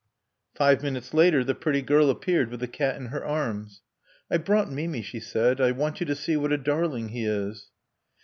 Five minutes later the pretty girl appeared with the cat in her arms. "I've brought Mimi," she said. "I want you to see what a darling he is."